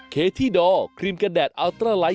เขาหลงว่าเขาซื้อใช่ไหม